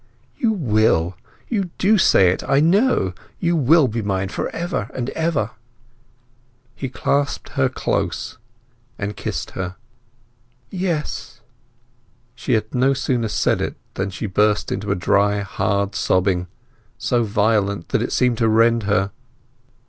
"You will—you do say it, I know! You will be mine for ever and ever." He clasped her close and kissed her. "Yes!" She had no sooner said it than she burst into a dry hard sobbing, so violent that it seemed to rend her.